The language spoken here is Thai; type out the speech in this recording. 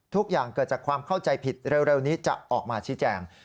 ทุกอย่างเกิดจากความเข้าใจผิดเร็วนี้จะออกมาชี้แจง